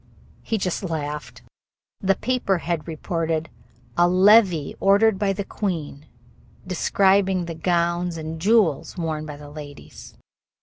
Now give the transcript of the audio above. He just laughed. The paper had reported a "levee ordered by the queen", describing the gowns and jewels worn by the ladies.